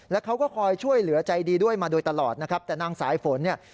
แล้วเขาก็คอยช่วยเหลือใจดีด้วยมาโดยตลอดนะครับแต่นางสายฝนเนี่ย